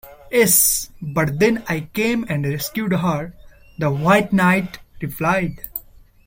‘Yes, but then I came and rescued her!’ the White Knight replied.